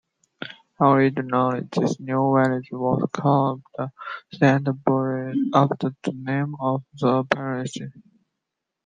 Originally this new village was called Stantonbury after the name of the parish.